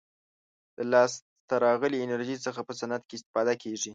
له لاسته راغلې انرژي څخه په صنعت کې استفاده کیږي.